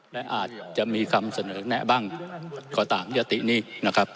และอาจจะมีคำเสนอแนะบ้างก็ตามยตินี้นะครับ